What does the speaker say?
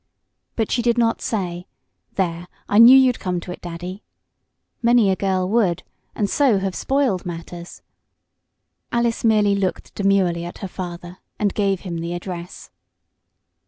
But she did not say: "There, I knew you'd come to it, Daddy!" Many a girl would, and so have spoiled matters. Alice merely looked demurely at her father and gave him the address.